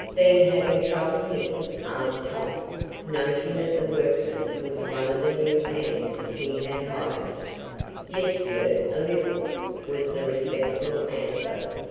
"Been having trouble here?" asked Tom, noting that the workman was one of the new hands he had hired. "Yes, sir, a little," was the respectful answer.